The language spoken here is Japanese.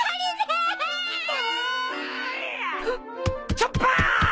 チョッパー！